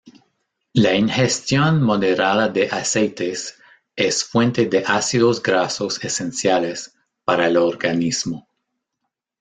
La ingestión moderada de aceites es fuente de ácidos grasos esenciales para el organismo.